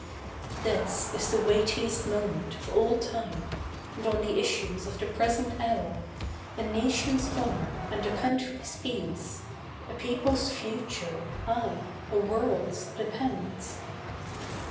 This is the weightiest moment of all time, And on the issues of the present hour A nation's honour and a country's peace, A People's future, ay, a World's, depends.